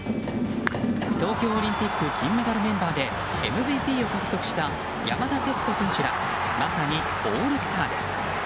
東京オリンピック金メダルメンバーでＭＶＰを獲得した山田哲人選手らまさにオールスターです。